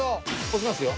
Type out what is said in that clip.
押しますよ。